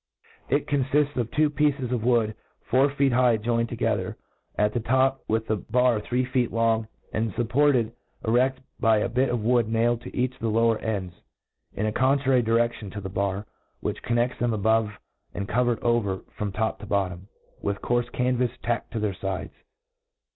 It confifts of two pieces of wood four feet high, joined together ^ at the topMfith a bar three feet long, and fup ported ere£l by a bit of wood nailed to each of the lower ends, in a contrary direftion to the bar, which conneffcs them above, and <:overed over, from top to bottom, with coarfe canvas ta<;ked to their fides.